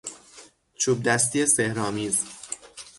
چوبدستی سحرآمیز